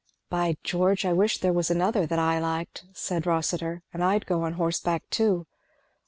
"By George! I wish there was another that I liked," said Rossitur, "and I'd go on horseback too.